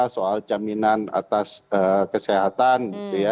soal jaminan atas kesehatan